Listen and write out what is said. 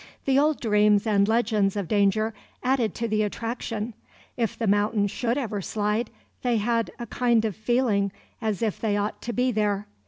The old dreams and legends of danger added to the attraction. If the mountain should ever slide, they had a kind of feeling as if they ought to be there.